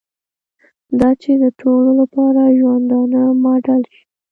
دا چې د ټولو لپاره ژوندانه ماډل شي.